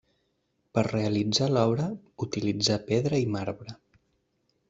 Per realitzar l'obra utilitzà pedra i marbre.